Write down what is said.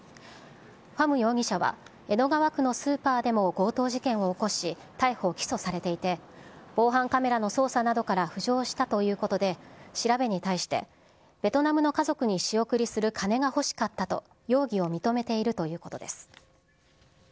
ファム容疑者は江戸川区のスーパーでも強盗事件を起こし、逮捕・起訴されていて、防犯カメラの捜査などから浮上したということで、調べに対して、ベトナムの家族に仕送りする金が欲しかったと、容疑を認めているということです。